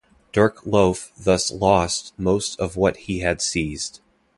Dirk Loef thus lost most of what he had seized.